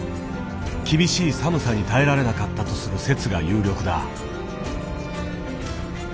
厳しい寒さに耐えられなかったとする説が有力だ。